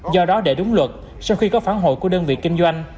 do đó để đúng luật sau khi có phản hồi của đơn vị kinh doanh